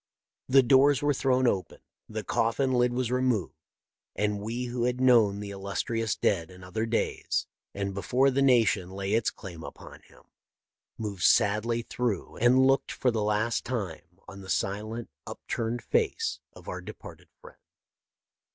The doors were thrown open, the coffin lid was removed, and we who had known the illus trious dead in other days, and before the nation lay its claim upon him, moved sadly through and looked for the last time on the silent, upturned face of our departed friend.